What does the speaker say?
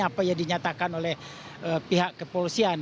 apa yang dinyatakan oleh pihak kepolisian